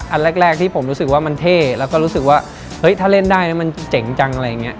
อันแรกที่ผมรู้สึกว่ามันเท่แล้วก็รู้สึกว่าเฮ้ยถ้าเล่นได้แล้วมันเจ๋งจังอะไรอย่างนี้